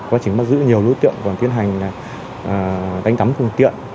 quá trình bắt giữ nhiều đối tượng còn tiến hành đánh tắm phương tiện